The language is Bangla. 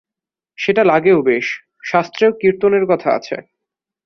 সেটা লাগেও বেশ, শাস্ত্রেও কীর্তনের কথা আছে।